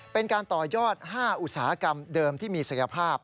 เป็นการต่อยอด๕อุตสาหกรรมเดิมที่มีศักยภาพ